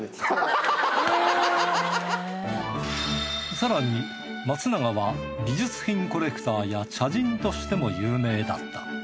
更に松永は美術品コレクターや茶人としても有名だった。